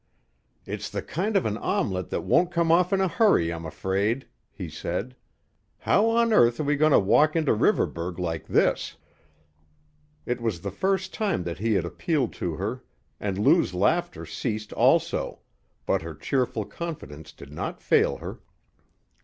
"It's the kind of an omelet that won't come off in a hurry, I'm afraid," he said. "How on earth are we going to walk into Riverburgh like this?" It was the first time that he had appealed to her, and Lou's laughter ceased also, but her cheerful confidence did not fail her.